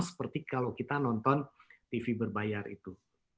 seperti kalau kita nonton tv berbayar itu